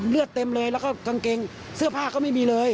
เต็มเลยแล้วก็กางเกงเสื้อผ้าก็ไม่มีเลย